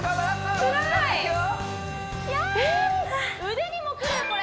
腕にもくるこれ！